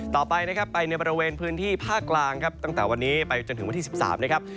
ต่อไปนะครับไปในบริเวณพื้นที่ภาคกลางครับตั้งแต่วันนี้ไปจนถึงวันที่๑๓นะครับ